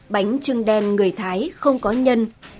bánh trưng đen người thái không có nhân